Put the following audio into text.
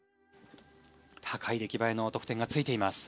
高い出来栄えの得点がついています。